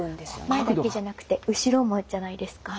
前だけじゃなくて後ろもじゃないですか